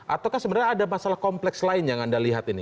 ataukah sebenarnya ada masalah kompleks lain yang anda lihat ini